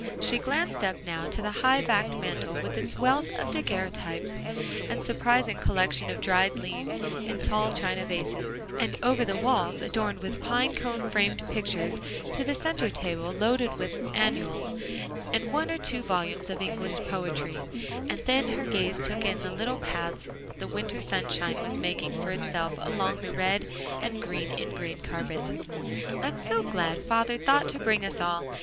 She glanced up now to the high backed mantel with its wealth of daguerreotypes, and surprising collection of dried leaves in tall china vases; and over the walls, adorned with pine cone framed pictures, to the center table loaded with "Annuals," and one or two volumes of English poetry, and then her gaze took in the little paths the winter sunshine was making for itself along the red and green ingrain carpet. "I am so glad father thought to bring us all.